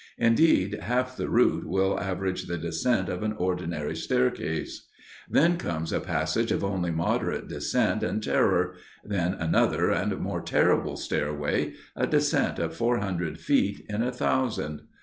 Indeed half the route will average the descent of an ordinary staircase. Then comes a passage of only moderate descent and terror, then another and more terrible stairway—a descent of four hundred feet in a thousand.